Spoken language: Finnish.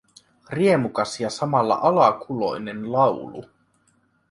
Riemukas ja samalla alakuloinen laulu.